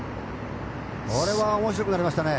これは面白くなりましたね。